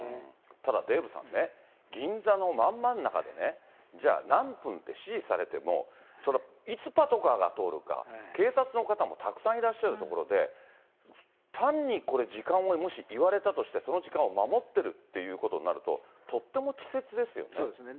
ただ、デーブさんね、銀座のまんまんなかでね、じゃあ、何分って指示されても、いつパトカーが通るか、警察の方もたくさんいらっしゃる所で、単にこれ、時間をもし言われたとして、その時間を守ってるっていうことになそうですね。